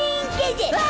うわ！